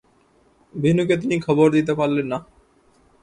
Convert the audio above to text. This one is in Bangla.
বিনুকে তিনি খবর দিতে পারলেন না।